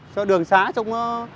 cho đường xá trông